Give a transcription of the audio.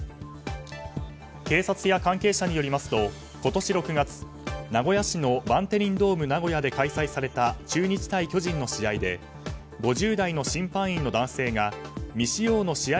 警察や関係者によりますと今年６月名古屋市のバンテリンドームナゴヤで開催された中日対巨人の試合で５０代の審判員の男性が未使用の試合